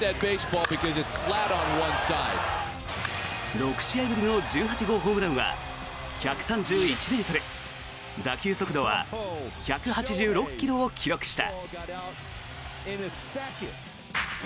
６試合ぶりの１８号ホームランは１３１ｍ、打球速度は１８６ｋｍを記録した。